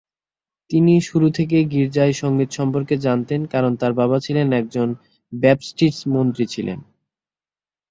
তিনি শুরু থেকেই গির্জার সঙ্গীত সম্পর্কে জানতেন, কারণ তার বাবা ছিলেন একজন ব্যাপটিস্ট মন্ত্রী ছিলেন।